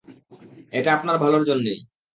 এটা আপনার ভালোর জন্যেই।